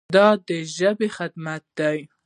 دا د ژبې خدمت دی.